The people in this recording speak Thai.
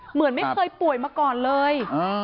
เหมือนไม่เคยป่วยมาก่อนเลย